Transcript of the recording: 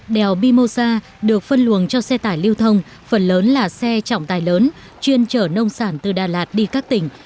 đèo mimosa được phân luồng cho xe tải lưu thông phần lớn là xe trọng tài lớn chuyên chở nông sản từ đà lạt đi các tỉnh